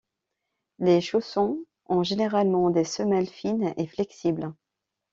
Les chaussons ont généralement des semelles fines et flexibles.